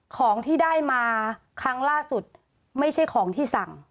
ของที่ได้มาครั้งล่าสุดไม่ใช่ของที่สั่ง